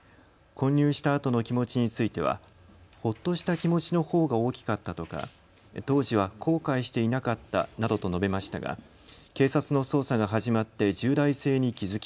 混入したあとの気持ちについてはほっとした気持ちのほうが大きかったとか、当時は後悔していなかったなどと述べましたが警察の捜査が始まって重大性に気付き